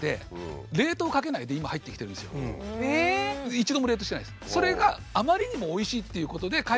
一度も冷凍してないんです。